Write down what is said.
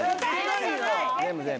全部、全部。